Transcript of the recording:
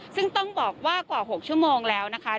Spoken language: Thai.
ซึ่งต้องบอกว่ากว่า๖ชั่วโมงแล้วนะคะ